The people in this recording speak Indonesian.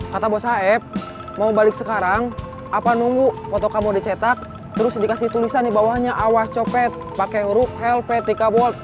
kata bos haef mau balik sekarang apa nunggu foto kamu dicetak terus dikasih tulisan di bawahnya awas copet pake huruf helvet tiga volt